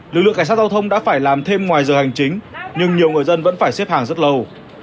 lực lượng cảnh sát giao thông đã phải làm thêm ngoài giờ hành chính nhưng nhiều người dân vẫn phải xếp hàng rất lâu